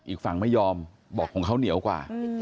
อีกฝั่งไม่ยอมบอกของเขาเหนียวกว่า